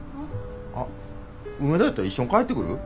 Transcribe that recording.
あっ梅田やったら一緒に帰ってくる？